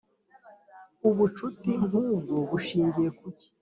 ubucuti nkubwo bushingiye kuki